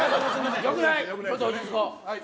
ちょっと落ち着こう。